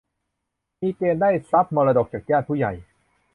มีเกณฑ์ได้ทรัพย์มรดกจากญาติผู้ใหญ่